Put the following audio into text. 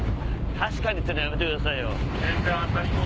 「確かに」ってやめてくださいよ。